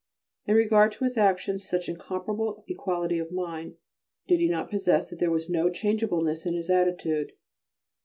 In regard to his actions such incomparable equality of mind did he possess that there was no changeableness in his attitude.